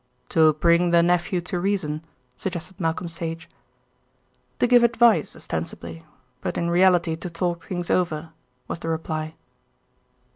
"To bring the nephew to reason," suggested Malcolm Sage. "To give advice ostensibly; but in reality to talk things over," was the reply.